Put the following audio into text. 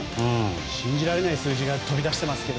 信じられない数字が飛び出していますが。